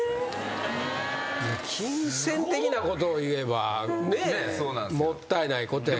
金銭的なことをいえばもったいないことやけど。